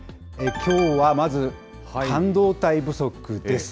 きょうはまず、半導体不足です。